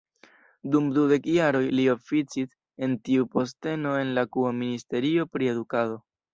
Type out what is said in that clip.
Dum dudek jaroj, li oficis en tiu posteno en la Kuba Ministerio pri Edukado.